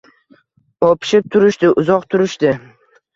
O’pishib turishdi… Uzoq turishdi.